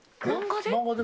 漫画で？